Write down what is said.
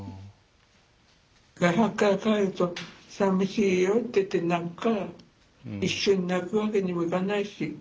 外泊から帰るとさびしいよって言って泣くから一緒に泣くわけにもいかないし。